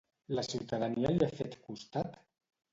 La ciutadania li ha fet costat?